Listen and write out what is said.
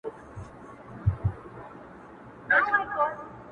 زه به غمو ته شاعري كومه ـ